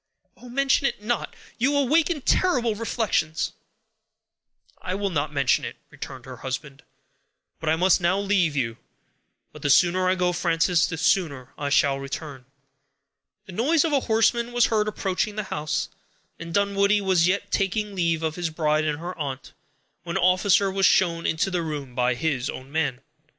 "Oh! mention it not! You awaken terrible reflections." "I will not mention it," returned her husband; "but I must now leave you. But the sooner I go, Frances, the sooner I shall return." The noise of a horseman was heard approaching the house, and Dunwoodie was yet taking leave of his bride and her aunt, when an officer was shown into the room by his own man.